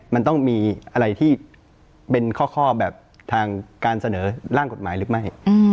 มันต้องมีอะไรที่เป็นข้อแบบทางการเสนอร่างกฎหมายหรือไม่